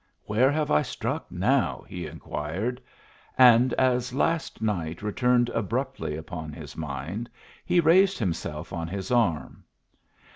"Where have I struck now?" he inquired; and as last night returned abruptly upon his mind, he raised himself on his arm.